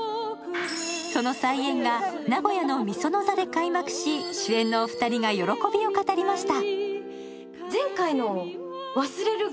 その再演が名古屋の御園座で開幕し、主演のお二人が喜びを語りました。